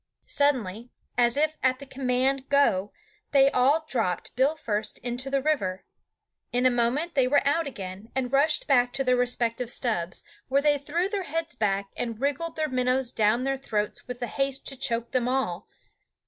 Suddenly, as if at the command go! they all dropped, bill first, into the river. In a moment they were out again and rushed back to their respective stubs, where they threw their heads back and wriggled their minnows down their throats with a haste to choke them all.